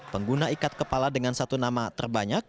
pengguna ikat kepala dengan satu nama terbanyak